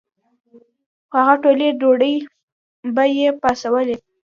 خو هغه ټولې دوړې به ئې پاڅولې ـ